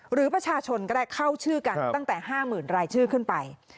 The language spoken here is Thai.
หรือประชาชนก็ได้เข้าชื่อกันตั้งแต่๕๐๐๐รายชื่อขึ้นไป